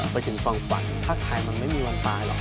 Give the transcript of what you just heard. ไปถึงความฝันภาคไทยมันไม่มีวันตายหรอก